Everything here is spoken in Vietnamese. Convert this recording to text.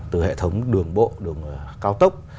từ hệ thống đường bộ đường cao tốc